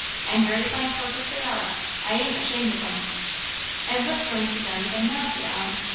"And very fine porkers they are; I ain't ashamed of 'em." "And what's going to be done with them now?" said Ellen.